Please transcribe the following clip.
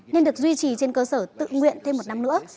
nên được duy trì trên cơ sở tự nguyện thêm một năm nữa